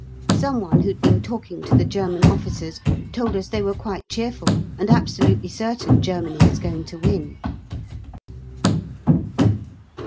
Some one who'd been talking to the German officers told us they were quite cheerful and absolutely certain Germany is going to win!